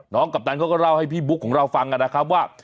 กัปตันเขาก็เล่าให้พี่บุ๊คของเราฟังนะครับว่า